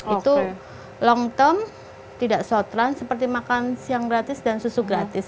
itu long term tidak short run seperti makan siang gratis dan susu gratis mbak